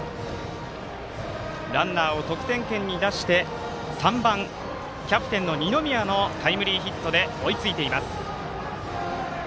ランナーを得点圏に出して３番キャプテンの二宮のタイムリーヒットで追いついています。